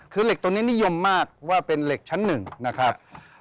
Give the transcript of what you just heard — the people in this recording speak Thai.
คือเหล็กตัวนี้นิยมมากเพราะว่าเป็นเหล็กชั้น๑นะครับ